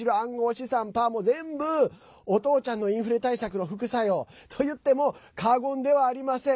資産パーも全部お父ちゃんのインフレ対策の副作用といっても過言ではありません。